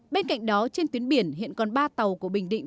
bên cạnh đó trên tuyến biển hiện còn ba tàu của bình định